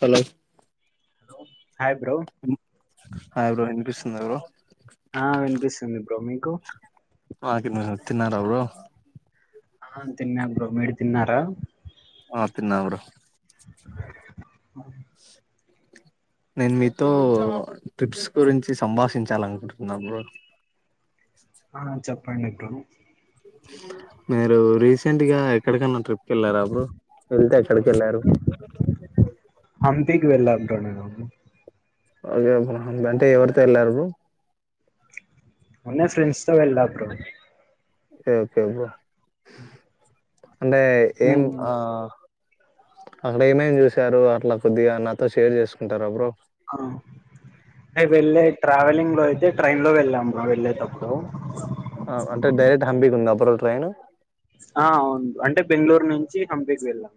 Hello hello hi bro hi bro వినిపిసు స్తుంద bro ఆ వినిపిస్తుంది బ్రో మీకు నాకు విను [unintelligible] తిన్నారా బ్రో ఆ తిన్నా బ్రో మీరు తిన్నారా ఆ తిన్నా బ్రో అ నేను మీతో ట్రిప్స్ గురించి సంభాషించాలనుకుంటున్నా బ్రో ఆ చెప్ప కండెక్టరు మీరు రీసెంట్ గా ఎక్కడికన్నా ట్రిప్ కీ వెళ్ళారా బ్రో వెళ్తే ఎక్కడికి వెళ్ళారు హంపికి వెళ్లాను బ్రో నేను హొ హొ అంటే ఎవర్తో ఎల్లారు బ్రో ఉన్న ఫ్రెండ్స్ తో వెళ్ళ బ్రో ఓకే ఓకే బ్రో అంటే ఏం మేం ఆ అక్కడ ఏమేమి చూసారు అట్లా కొద్దిగా నాతో షేర్ చేసుకుంటారు బ్రో ఆ అంటే వెళ్ళే ట్రావెలింగ్ లో అయితే ట్రైన్ లో వెళ్ళాం బ్రో వెళ్ళేటప్పుడు అంటే డైరెక్ట్ హంపి కుందా ట్రైన్ ఆ అవును అంటే బెంగళూరు నుంచి హంపికి వెళ్ళాం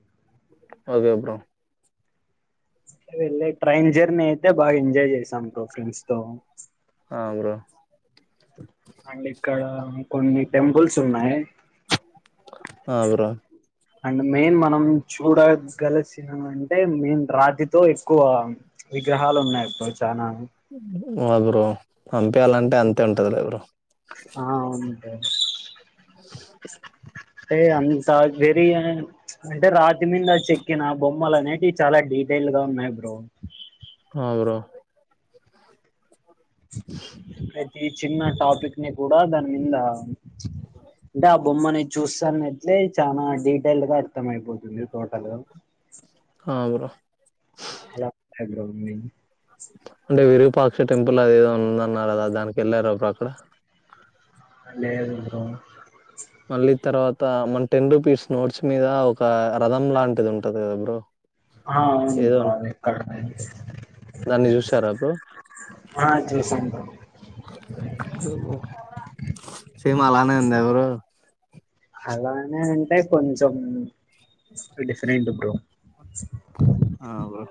ఓకే బ్రో అ వెళ్ళే ట్రైన్ జర్నీ అయితే బాగా ఎంజాయ్ చేసాం బ్రో ఫ్రెండ్స్ తో ఆ బ్రో అండ్ ఇక్కడ కొన్ని టెంపుల్స్ వున్నాయి ఆ బ్రో అండ్ మెయిన్ మనం చూడగలసిన అంటే మెయిన్ రాతితో ఎక్కువ విగ్రహాలు ఉన్నాయి బ్రో చనా హా బ్రో హంపియాల అంతే ఉంటాది లే బ్రో ఆ అవును [unintelligible] అ ఎ అంత వెరిఅంటే రాతి మీద చెక్కిన బొమ్మలు అనేటివి చాలా డీటెయిల్ గా ఉన్నాయి బ్రో ఆ బ్రో అట్ ఈ చిన్న టాపిక్ ని కూడా దాని మీద అంటే ఆ బొమ్మని చూస్తాన్నట్లే చాలా డీటెయిల్ గా అర్థం అయిపోతుంది టోటల్ ఆ బ్రో అలా సాయంత్రం మ్మ్ [unintelligible] అండెది బ్రో మళ్ళీ తర్వాత మన టెన్ రూపీస్ నోట్స్ మీద ఒక రథం లాంటిది ఉంటది కదా బ్రో ఆ అవును ఏదో బ్రో అన్- దాన్ని చూసారా [unintelligible] బ్రో ఆ చూసాను బ్రో సేమ్ అలానే ఎందెవరు హల్లాన్ నేన్ ఉంటయ్ కొంచెం డిఫరెంట్గ్ క్రో ఆ బ్రో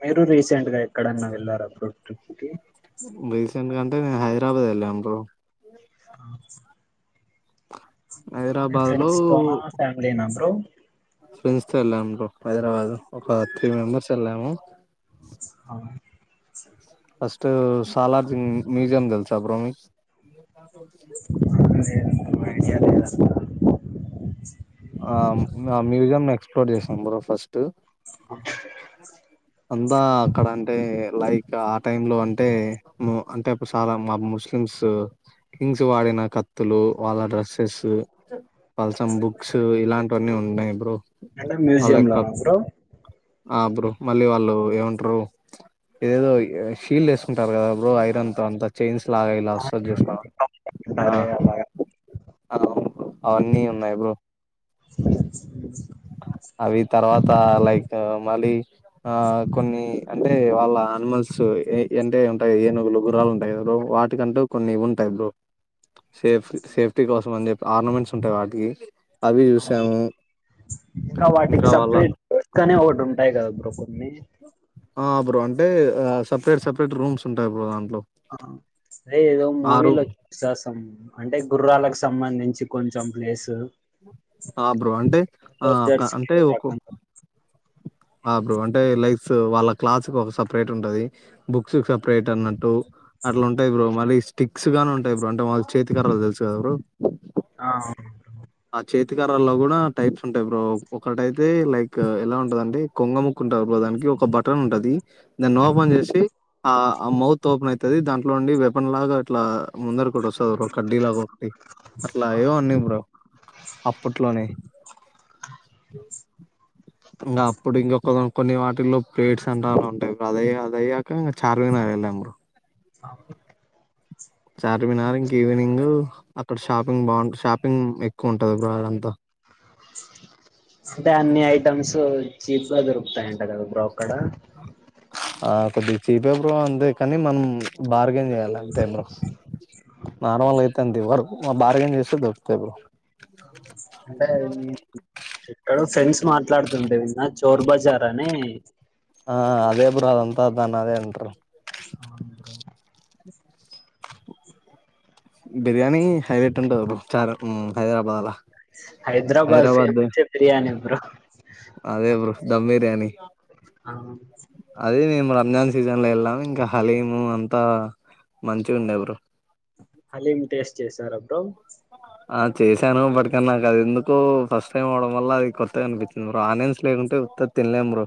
మీరు రీసెంట్ గా ఎక్కడన్నా వెళ్ళార అప్పుడు ట్రిప్ కి ఇంగ రీసెంట్ గా అంటేనే హైదరాబాద్ వెళ్ళాం బ్రో ఆహ్ స్స్ టెన్స్ హైదరాబాద్ లో ఫ్రెండ్స్తోనాస్ ఫ్యామిలీ నా బ్రో ఫెండ్స్ తో వెళ్ళాం. బ్రో హైదరాబాద్ ఒక త్రీ మెంబర్స్ వెళ్ళాము. అవును ఫస్ట్ సాలార్జి మ్యూజియం దెల్సా అప్పుడు మీకు ఓకేం మరిజద అస్ప ఆ ఆ మ్యూజియం ఎక్స్ప్లోర్ చేసాం బ్ర ఫస్ట్ ఆ అంతా అక్కడ అంటే లైక్ ఆ టైమ్ లో అంటే, మ్ మ్మ్ అంటేప్పుడు, చాలా మా ముస్లిమ్స్ కింగ్స్ వాడిన, కత్తులు వాళ్ళ డ్రెస్సెస్సు పల్సంబుక్ స్ ఇలాంటివన్నీ ఉన్నాయి బ్రో అంటే వా మ్యూజియం క్క లోనా బ్రో ఆ బ్రో మళ్ళీ వాళ్ళు ఏమంటారు ఏదేదో షీల్ వేసుకుంటారు కదా బ్రో ఐరన్ తో అంతా చైన్స్ ఇలాగ ఇలా ఆ, వసారు చూసు ఉంటారే అలాగా అవన్నీ ఉన్నాయి బ్రో అ అవి తర్వాత లైక్ మళ్ళీ ఆ కొన్ని అంటే వాళ్ళ అనిమల్స్ ఏ అంటే ఉంటాయి ఏనుగులు గురాలు ఉంటాయి బ్రో వాటికంటూ కొన్ని ఉంటాయి బ్రో సేఫ్ సేఫ్టీ కోసం అని చెప్పి ఆర్నమెంట్స్ ఉంటాయి వాటికి అవి చూసాము ఇ ఇంకా వాటికి వాళ్ళ సపరేట్ కనే ఓటి ఉం ఐతదా బ్రో మీ ఆ బ్రో అంటే ఆ సపరేట్ సపరేట్ రూమ్స్ ఉంటాయి బ్రో అ అదే ఏదో రూమ్ మూవీలో చూసా సం అంటే గుర్రాలకు సంబంధించి కొంచెం ప్లేసు ఆ బ్రో అంటే ఆ సోల్జర్స్ కి అంటే ఏదో ఒక రకంగా ఆ బ్రో అంటే లైఫ్ క్లాస్ కు ఒక సపరేట్ ఉంటది బుక్స్ సపే రేట్ ఉన్నట్టు అట్లా ఉంటాయి బ్ర మళ్లి స తిక్స్ గానే ఉంటాయి బ్రో అంటే వాళ్ళ చేతి కర్రలు తెలుసు కదా బ్రో ఆ అవును కర్రల్లో కూడా టైప్స్ ఉంటాయి బ్రో ఒకటైతే లైక్ ఎలా ఉ ఉంటదండి కొంగ ముక్కు ఉంటారు బ్రో దానికి ఒక బటన్ ఉంటది దాన్ని ఓపెన్ చేసి ఆ ఆ మౌత్ ఓపెన్ ఐతది దాంట్లో ఉండి వెపన్ లాగా అట్లా ముందర కూడా వస్తుంది బ్రో కడ్డీ లాగా ఒకటి అట్లా ఏవో ఉన్నాయి బ్రో అప్పట్లోనే ఇంకా అప్పుడు ఇంకొక కొన్ని వాటిల్లో పేడ్స్ అంటరు అంటే అదయ అదయ్యాక చార్మినార్ వెళ్ళాం బ్రో అ చార్మినార్ ఇంకా ఈవినింగ్ అక్కడ షాపింగ్ బాగుంట షాపింగ్ ఎక్కువ ఉంటది బ్రో ఆడంతా అంటే అన్ని ఐటమ్స్ చీప్ గా దొరుకుతాయంట కదా బ్రో అక్కడ ఆ కొద్ది చీపే బ్రో అంతే కానీ మనం బార్గెన్ చేయాలి అంతే బ్రో నార్మల్ అయితే అంది ఎవ్వరు బార్గెన్ చేస్తే దొరుకుతాయ్ బ్రో అంటే మీ ఫ్రెండ్స్ మాట్లాడు తుంటే విన్న చోర్ బజారని ఆ అదే బ్రో అదంతా దాన్న అదే అంట్రూ బిర్యానీ హై రేట్ ఉంటది బ్రో చార్ ఉమ్ హైదరాబాద్లా హైదరాబాద్ ఫేమస్ బిర్యానీ ఉ బ్రో అదే బ్రో దమ్ బిర్యానీ ఆ అదే మేము అంజాన్ సీజన్ లో వెళ్ళాము ఇంకా హలీము అంతా మంచి ఉండే బ్రో హలీం టేస్ట్ చేసారా బ్రో ఆ చేశాను బట్ కాని నాకు అది ఎందుకు ఫస్ట్ టైమ్ అవడం వల్ల అది కొత్తది అనిపించింది బ్రో ఆనియన్స్ లేకుంటే ఉత్తది తినలేం బ్రో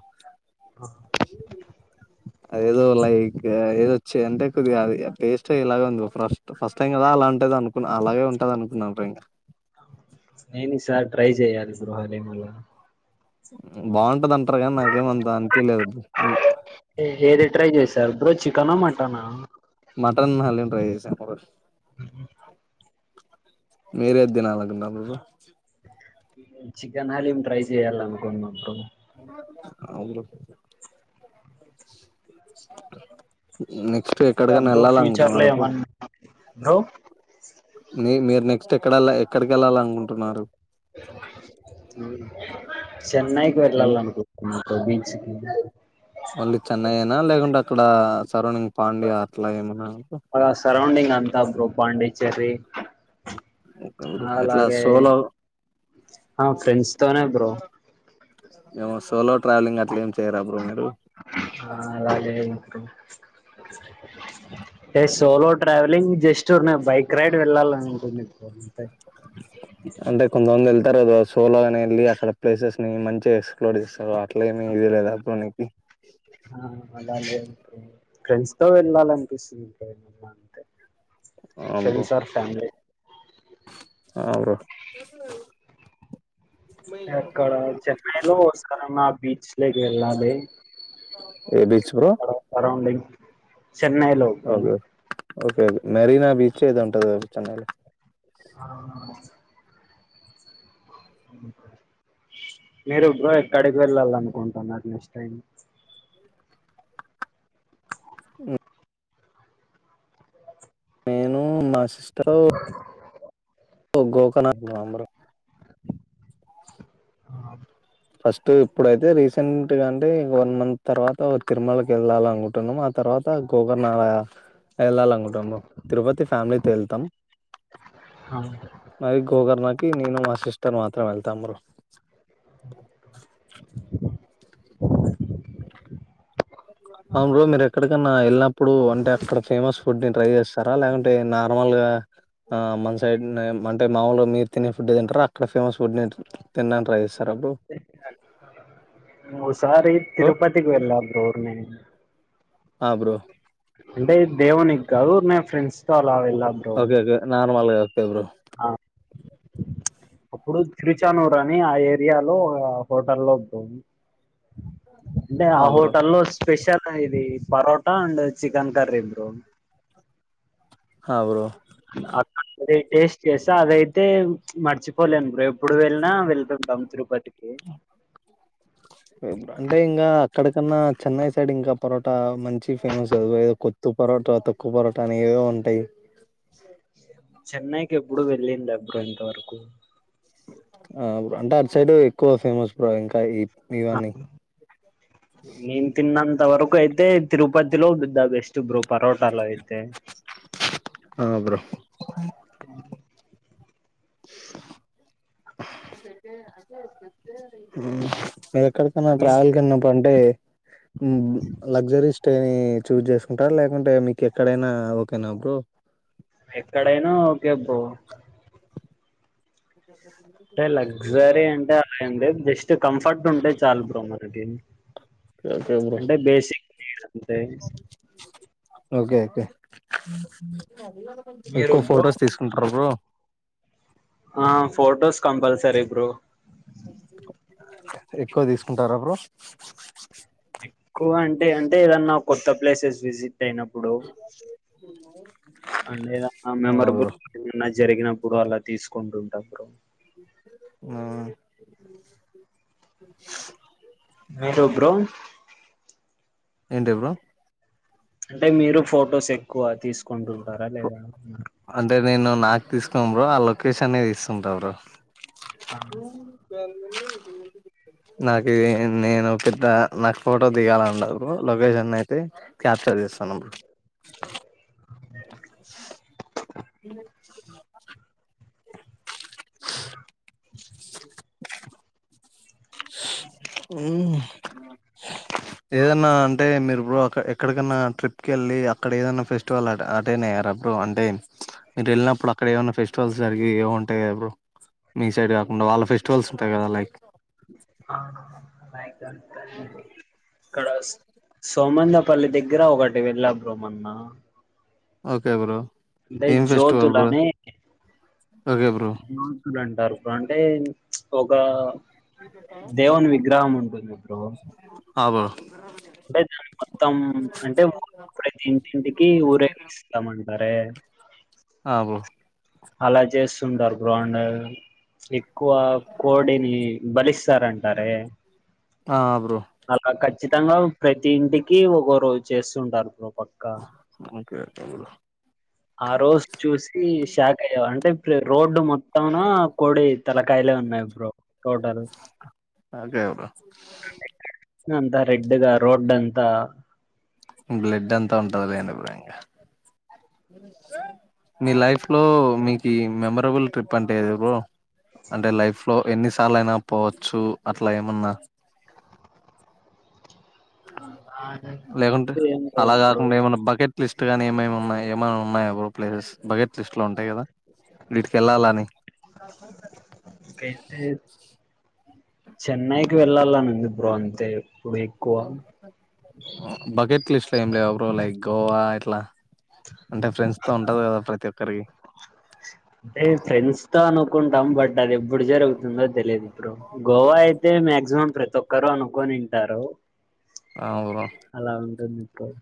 అదేదో లైక్ ఏదో చెంటే కొద్ది అది టేస్ట్ ఇలాగ ఉంది ఫస్ట్ ఫస్ట్ టైం కదా అలాంటేది అనుకున్నా అలాగే ఉంటది అనుకు న్న లింగ నేనే ఈసారి ట్రై చేయాలి బ్రో హాలీమ్ ను బాగుంటద అంటుంటారు కానీ నాకేం అంత అనిపియలేదు బ్రో దర్బో చికెన్ మటన్ ఆ మటన్ హలీం ట్రై చేశా బ్రో [inaudible] మిరేది తినాలనుకున్నారు బ్రో చికెన్ హలీం ట్రై చేయాలి అనుకున్న బ్రో ఆ బ్రో నెక్స్ట్ ఎక్కడికైనా బ్రో వెళ్ళాలి ఫ్యూచర్లో అనుకుంటున్నారు బ్రో ఏమన్నా బ్రో మీ మీరు నెక్స్ట్ ఎక్కడ వెళ్ళ ఎక్కడికి వెళ్ళాల అనుకుంటున్నారు అ [inaudible] చెన్నైకి ఏం వెళ్లాల అనుకుంటున్నా కో బీచ్కి ఓన్లీ చెన్నైయేన లేకుంటే అక్కడ సరౌండింగ్ పాండ్య అట్లా ఏమన్నా ఆ సరౌండింగ్ అంతా బ్రో పాండీ చెర్రీ ఎట్లా అలాగే సోలో ఆ ఫ్రెండ్స్ తోనే బ్రో మేము సోలో ట్ర్రావెలింగ్ అట్లేం ఆ అలాగే ఏ సోలో ట్రావెలింగ్ జస్ట్ ఉరకనే బైక్ రైడ్ వెళ్ళాలని ఉంటుంది అంటే కొంతమంది వెళ్ వస్తారా రోజు సోలో గానే వెళ్ళి అక్కడ ప్లేసెస్ న మంచిగా ఎక్స్ప్లోడ్ చేస్తారు అట్లే ఏమి ఈయలేద బ్రో నీకి ఆ అలా లేదు బ్రో ఫ్రెండ్స్ తో వెళ్ళాలనిపిస్తుంది అంతే ఫ్రెండ్స్ ఆర్ ఫ్యామిలీ ఆవురో ఏక్కడ చెన్నైలో ఓసారన బీచ్ లేకి వెళ్ళాలి ఏ బీచ్ బ్రో అక్కడ సరౌండింగ్ చెన్నైలో బ్రో ఓకేే మెరీనా బీచ్ ఏదో ఉంటాది కదా చెన్నైలో అవునవును మీరు బ్రో ఎక్కడికి వెళ్ళాలి అనుకుంటున్నారు నెక్స్ట్ టైం మ్ నేను మాసి సిస్టరు ఓ గోకర్ణ అంటున్నారు అందరూ ఆ ఫస్ట్ ఇప్పుడైతే రీసెంట్గా అంటే వన్ మంత్ తర్వాత తిరుమలకి వెళ్ళాలినుకుంటున్నాం ఆ తర్వాత గోకర్ణ అల వెళ్ళాల అనుకుంటున్నాము తిరుపతి ఫ్యామిలీతో వెళ్తాం మరి గోకర్ణ కి కి నేను మా సిస్టర్ మాత్రం వెళ్తాం బ్రో అవును బ్రో మీరు ఎక్కడికన్నా వెళ్ళినప్పుడు అంటే అక్కడ ఫేమస్ ఫుడ్ ని ట్రై చేస్తారా లేకుంటే నార్మల్ గా మన సైడ్ అంటే మాముూలు మీరు తినే ఫుడ్ తింటారా అక్కడ ఫేమస్ ఫుడ్ నే తినడానికి ట్రై చేస్తారా బ్రో ఓ సారి బ్రో తిరుపతికి వెళ్ళ బ్రో నేను ఆ బ్రో అంటే ఇది దేవుని గాదు ఊరికే ఫ్రెండ్స్ తో అలా వెళ్ళా బ్రో ఓకే ఓకే నార్మల్గా ఒకే బ్రో ఆ అప్పుడు తిరుచానూరు అని ఆ ఏరియాలో హోటల్లో బ్రో అంటే ఆ హోటల్ లో స్పెషల్ ఇది parotta and chicken curry bro ఆ బ్రో అక్క టేస్ట్ చేసా అదైతే మర్చిపోలేను బ్రో ఎప్పుడు వెళ్ళినా వెళ్తుంటాం తిరుపతి అంటే ఇంగా అక్కడకన్నా చెన్నై సైడ్ ఇంకా పరోట మంచి ఫేమస్ కాదు ఏదో కొత్తు పరోట తొక్కు పరోట అనీ ఏవేవో ఉంటాయి చెన్నైకి ఎప్పుడు వెళ్ళింది అబ్బ ఇ ఇంతవరకు ఆ బ్రో అంటే అటు సైడ్ ఎక్కువ ఫేమస్ బ్రో ఇంకా ఇవన్నీ నేన్ తిన్నంత ఇంత వరకు అయితే తిరుపతిలో ద బెస్ట్ బ్రో పరోటాలో అయితే ఆ బ్రో మ్మ్ మ్మ్ పడక్ ఎక్కడికన్నా మీ ట్రావెల్ కిన్నప్పుడు అంటే లగ్జరీ స్టే ని చూజ్ చేసుకుంటారు లేకుంటే మీకు ఎక్కడైనా ఓకేనా బ్రో ఎక్కడైనా ఓకే బ్రో అంటే లగ్జరీ అంటే ఏం లేద్ జస్ట్ ట్ కంఫర్ట్ ఉంటే చాలా బ్రో మనకి ఓకే బ్రో అంటే బేసిక్ నీడ్ అంతే ఓకే ఓకే మీరు ఎక్కువ బ్రో ఫొటోస్ తీసుకుంటార బ్రో ఆ ఫొటోస్ కంపల్సరీ బ్రో ఎక్కువ తీసుకుంటార బ్రో ఎక్కువ అంటే అంటే ఏదన్నా కొత్త ప్లేసెస్ విజిట్ టెయినప్పుడు అంతే ఇగ ఆ మెమరిబుల్ జరిగినప్పుడు పుగార్ల తీసుకుంటుంటుప్పుడు మ్మ్ మరు బ్రో ఏంటి బ్రో అంటే మీరు ఫొటోసే క్కువ తీసుకుంటుంటారా లేదా అన్నరు అంటే నేను నాకు తీసుకోం బ్రో ఆ లోకేషన్ ని తీస్తుంటా బ్రో ఆ ఊ గన్ నాకు ఇది నేను పెద్ద నాకు ఫోటో దిగాలని ఉండదు బ్రో లోకేషన్ అయితే క్యాప్చర్ చేస్తాను బ్రో ఉహ్ ఏదన్నా అంటే మీరు బ్రో ఎక్క ఎక్కడికన్నా ట్రిప్కి వెళ్ళి అక్కడ ఏదన్నా ఫెస్టివల్ అటెం అటెండ్ అయ్యారు బ్రో అంటే మీరు వెళ్ళినప్పుడు అక్కడ ఏమన్నా ఫెస్టివల్స్ జరిగి ఏముంటాయా బ్రో మీ సైడ్ కాకుండా వాళ్ళ ఫెస్టివల్స్ ఉంటాయి కదా లైక్ ఆహ్ లైక్ కడస్ సోమందిపల్లి దగ్గర ఒకటి వెళ్ళా బ్రో మొన్న ఓకే బ్రో అంటే ఏం ఫెస్టివల్ బ్రో జ్యోతులనే ఓకే బ్రో జ్యోతులు అంటారు అంటే ఒక దేవున్ విగ్రహం ఉంటుంది బ్రో అబ్బో అంటరెమొత్తం అంటే ఊరు ప్రతి ఇంటింటికి ఊరేగిస్తామంటారే ఆ బ్రో అలా చేస్తుంటారు గ్రౌండ్ ఎక్కువ కోడిని బలిస్తారంటారే ఆ బ్రో అలా ఖచ్చితంగా ప్రతి ఇంటికి ఒకో రోజు చేస్తుంటారు బ్రో పక్క ఓకే ఓకే బ్రో ఆ రోజు చూసి షాక్ అయ్యవా అంటే ఇట్లే రోడ్డు మొత్తాన కొడె తలకాయలే ఉన్నాయి బ్రో టోటల్ ఓకే బ్రో అంతా రెడ్ గా రోడ్డు అంతా బ్లడ్ అంతా ఉంటదిలెండి బ్రో ఇంగా మీ లైఫ్ లో మీకి మెమరబుల్ ట్రిప్ అంటేది బ్రో అంటే లైఫ్ లో ఎన్నిసార్లు అయినా పోవచ్చు అట్లా ఏమన్నా లేకుంటే ఏం అలా లేదు బ్రో కాగుండా ఏమన్నా బకెట్ లిస్ట్ గానీ ఏమేమి ఉన్నాయి ఏమన్నా ఉన్నాయా బ్రో ప్లేసెస్ బగెట్ లిస్ట్ లో ఉంటాయి కదా వీటికి వెళ్ళాలి అని ఇకైతే చెన్నైకి వెళ్లాలని ఉంది. బ్రో అంతే ఎక్కువ బకెట్లిస్ట్ లో ఏం లేవా బ్రో లైక్ గోవా ఇట్లా అంటే ఫ్రెండ్స్ తో ఉంటది కదా ప్రతి ఒక్కరికి అంటే ఫ్రెండ్స్ తో అనుకుంటాం బట్ అది ఎప్పుడు జరుగుతుందో తెలియదు ఇప్పుడు గోవా అయితే మాక్సిమమ్ ప్రతి ఒక్కరు అనుకునింటారు ఆ బ్రో అలా ఉంటుంది [inaudible]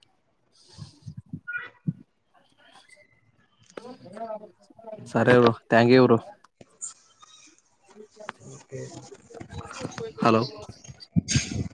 [inaudible] సరే bro thank you bro hello okay